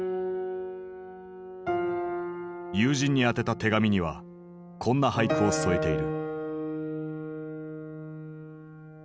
友人に宛てた手紙にはこんな俳句を添えている。